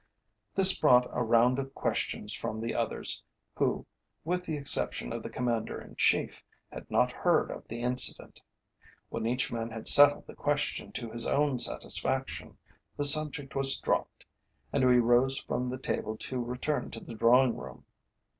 This brought a round of questions from the others, who, with the exception of the Commander in Chief, had not heard of the incident. When each man had settled the question to his own satisfaction, the subject was dropped, and we rose from the table to return to the drawing room.